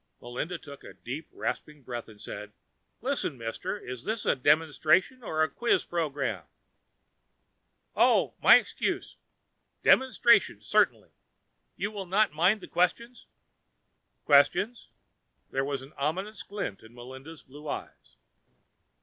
Melinda took a deep rasping breath, said, "Listen, mister, is this a demonstration or a quiz program?" "Oh, my excuse. Demonstration, certainly. You will not mind the questions?" "Questions?" There was an ominous glint in Melinda's blue eyes.